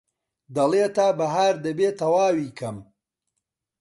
دەڵێ تا بەهار دەبێ تەواوی کەم